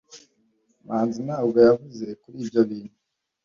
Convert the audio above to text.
Manzi ntabwo yavuze kuri ibyo bintu.